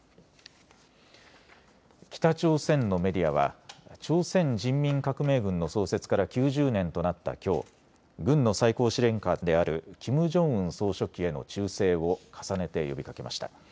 北朝鮮のメディアは朝鮮人民革命軍の創設から９０年となったきょう、軍の最高司令官であるキム・ジョンウン総書記への忠誠を重ねて呼びかけました。